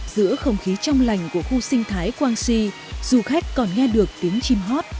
giữa không khí trong lành của khu sinh thái quang sì du khách còn nghe được tiếng chim hót